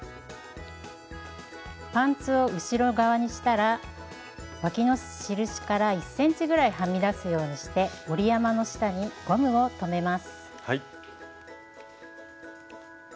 パンツを後ろ側にしたらわきの印から１ｃｍぐらいはみ出すようにして折り山の下にゴムを留めます。